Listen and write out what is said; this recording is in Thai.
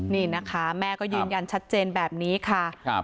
นี่นะคะแม่ก็ยืนยันชัดเจนแบบนี้ค่ะ